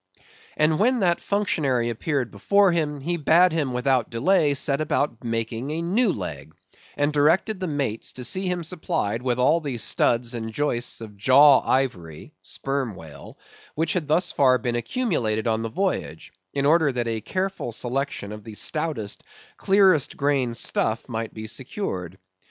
And when that functionary appeared before him, he bade him without delay set about making a new leg, and directed the mates to see him supplied with all the studs and joists of jaw ivory (Sperm Whale) which had thus far been accumulated on the voyage, in order that a careful selection of the stoutest, clearest grained stuff might be secured.